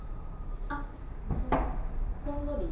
あっうんほんのり？